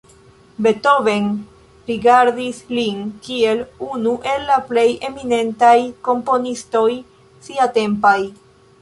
Beethoven rigardis lin kiel unu el la plej eminentaj komponistoj siatempaj.